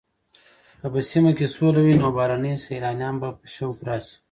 که په سیمه کې سوله وي نو بهرني سېلانیان به په شوق راشي.